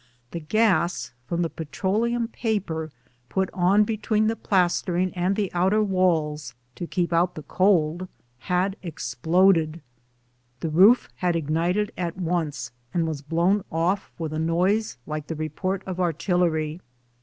The gas from the petroleum paper put on between the plastering and the outer walls to keep out the cold had exploded. The roof had ignited at once, and was blown off with a noise like the report of artillery.